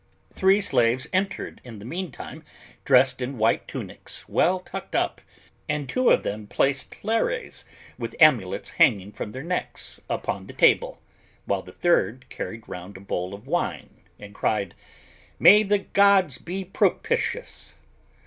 Three slaves entered, in the meantime, dressed in white tunics well tucked up, and two of them placed Lares with amulets hanging from their necks, upon the table, while the third carried round a bowl of wine and cried, "May the gods be propitious!"